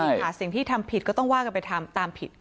ถ้าเปิดหาสิ่งที่ทำผิดก็ต้องว่าตามผิด